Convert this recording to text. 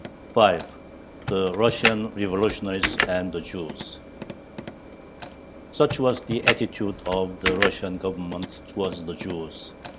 5. THE RUSSIAN REVOLUTIONARIES AND THE JEWS Such was the attitude of the Russian Government towards the Jews.